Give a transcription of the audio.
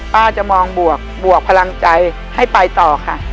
จะมองบวกบวกพลังใจให้ไปต่อค่ะ